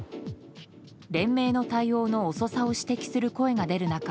連盟の対応の遅さを指摘する声が出る中